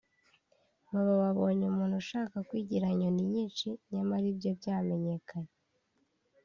baba babonye umuntu ushaka kwigira nyoni nyinshi nyamara ibye byamenyekanye